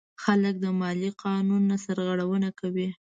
خلک د مالیې قانون نه سرغړونه کوي.